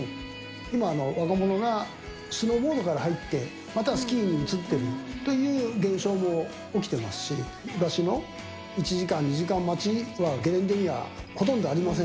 今、若者がスノーボードから入って、またスキーに移ってるという現象も起きてますし、昔の１時間、２時間の待ちはゲレンデにはほとんどありません。